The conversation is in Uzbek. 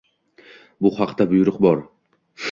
Bu haqda buyruq bor.